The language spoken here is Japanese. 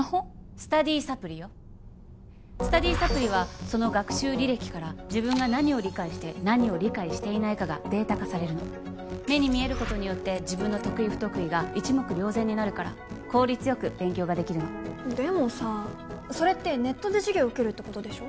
スタディサプリよスタディサプリはその学習履歴から自分が何を理解して何を理解していないかがデータ化されるの目に見えることによって自分の得意不得意が一目瞭然になるから効率よく勉強ができるのでもさそれってネットで授業受けるってことでしょ？